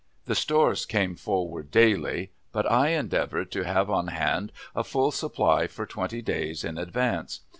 The stores came forward daily, but I endeavored to have on hand a full supply for twenty days in advance.